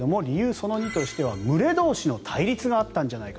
その２としては群れ同士の対立があったんじゃないか。